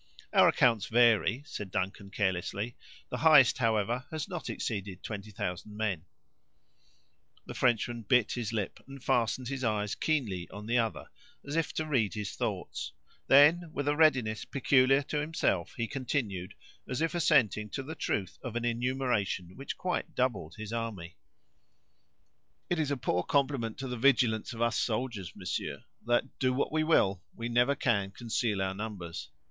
"Our accounts vary," said Duncan, carelessly; "the highest, however, has not exceeded twenty thousand men." The Frenchman bit his lip, and fastened his eyes keenly on the other as if to read his thoughts; then, with a readiness peculiar to himself, he continued, as if assenting to the truth of an enumeration which quite doubled his army: "It is a poor compliment to the vigilance of us soldiers, monsieur, that, do what we will, we never can conceal our numbers.